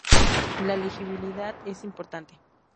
La legibilidad es importante.